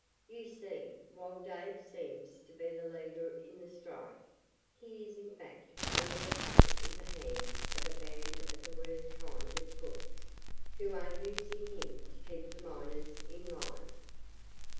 You see, while Dave seems to be the leader in the strike, he is in fact only a puppet in the hands of a band of the worst kind of crooks, who are using him to keep the miners in line."